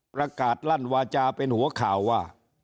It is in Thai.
ประกาศลั่นวาจาเป็นหัวข่าวว่า